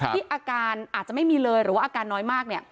ที่อาการอาจจะไม่มีเลยหรือว่าอาการน้อยมาก